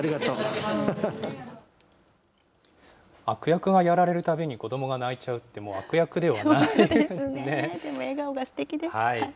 悪役がやられるたびに子どもが泣いちゃうって、もう悪役ではない。